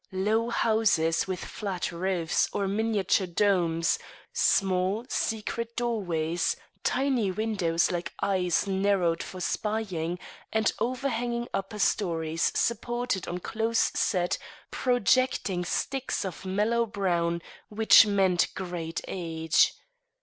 Low houses with flat roofs or miniature domes, small, secret doorways, tiny windows like eyes narrowed for spying, and overhanging upper stories supported on close set, projecting sticks of mellow brown which meant great age.